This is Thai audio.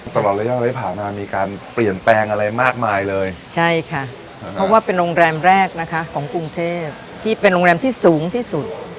ใช่ค่ะเพราะว่าเป็นโรงแรมแรกนะคะของกรุงเทพที่เป็นโรงแรมที่สูงที่สุด